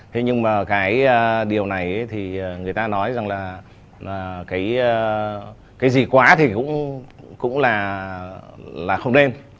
thế nhưng mà cái điều này thì người ta nói rằng là cái gì quá thì cũng là không nên